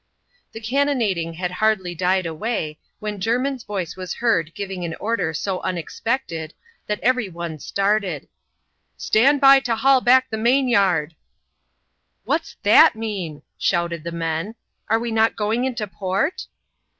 The cannonading had hardly died away, when Jermin's voice was heard giving an order so unexpected that every one started. <^ Stand by to haul back the main yard !"" What's that mean ?" shouted the men, "are we not going into port?"